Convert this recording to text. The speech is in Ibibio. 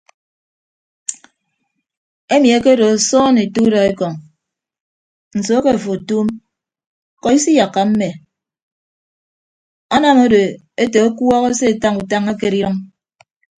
Emi ekedo osoon ete udọekọñ nso ke afo otuum ñkọ isiyakka mme anam ado ete ọkuọk asetañ utañ ekere idʌñ.